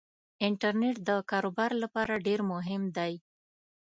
انټرنيټ دکار وبار لپاره ډیرمهم دی